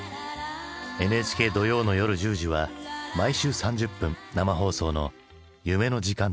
ＮＨＫ土曜の夜１０時は毎週３０分生放送の夢の時間となる。